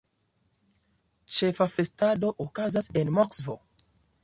Ĉefa festado okazas en Moskvo.